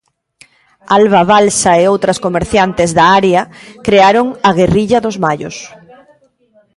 Alba Balsa e outras comerciantes da área crearon a Guerrilla dos Mallos.